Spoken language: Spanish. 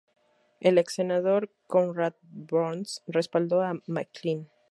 El ex senador Conrad Burns respaldó a McCain.